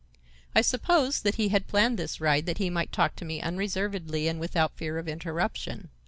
I supposed that he had planned this ride that he might talk to me unreservedly and without fear of interruption.